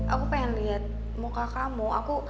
aku pengen lihat muka kamu